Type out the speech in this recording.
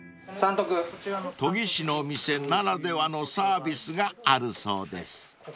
［研ぎ師の店ならではのサービスがあるそうです］